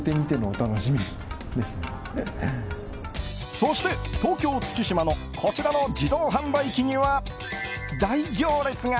そして、東京・月島のこちらの自動販売機には大行列が。